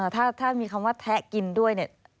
ถ้ามีคำว่าแทะกินด้วย